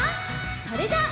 それじゃあ。